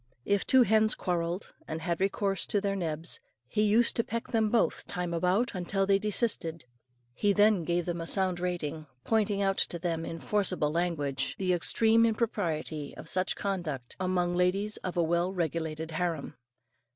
If two hens quarrelled, and had recourse to their nebs, he used to peck them both, time about, until they desisted; he then gave them a sound rating, pointing out to them in forcible language, the extreme impropriety of such conduct among ladies of a well regulated harem.